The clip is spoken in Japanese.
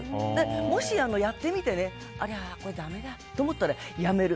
もしやってみてだめだと思ったらやめる。